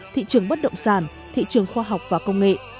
thị trường bất động sản thị trường khoa học và công nghệ